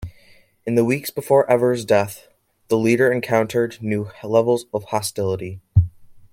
In the weeks before Evers' death, the leader encountered new levels of hostility.